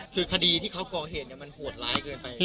คือคดีที่เขาก่อเหตุมันโหดร้ายเกินไป